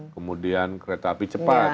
kemudian kereta api cepat